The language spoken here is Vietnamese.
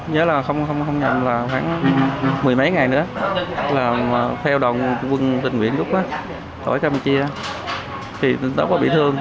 nhớ là không nhầm là khoảng mười mấy ngày nữa là theo đoàn quân tình nguyện lúc đó ở campuchia thì đã có bị thương